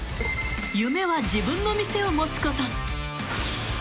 ［夢は自分の店を持つこと］